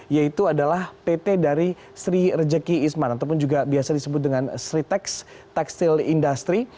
yaitu adalah pt dari sri rezeki ismar ataupun juga biasa disebut dengan sritex textile industry